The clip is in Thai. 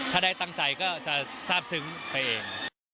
ถ้าได้ตั้งใจก็จะทราบซึ้งไปเอง